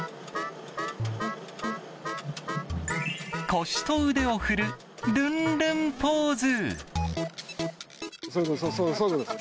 腰と腕を振るるんるんポーズ。